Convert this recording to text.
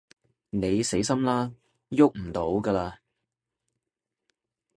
你死心啦，逳唔到㗎喇